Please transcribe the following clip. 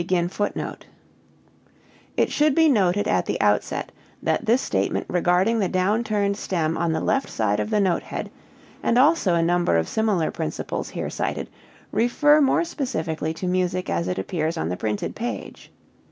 [Footnote 1: It should be noted at the outset that this statement regarding the down turned stem on the left side of the note head, and also a number of similar principles here cited, refer more specifically to music as it appears on the printed page.